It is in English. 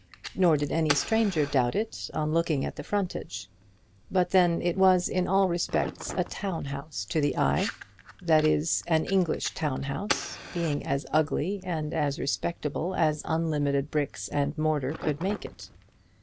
Nor did any stranger doubt it on looking at the frontage. But then it was in all respects a town house to the eye, that is, an English town house, being as ugly and as respectable as unlimited bricks and mortar could make it.